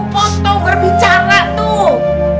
foto berbicara tuh